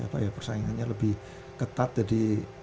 memang persaingannya lebih ketat jadi